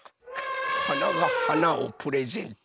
はながはなをプレゼント。